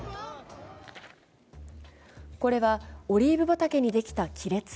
これはオリーブ畑にできた亀裂。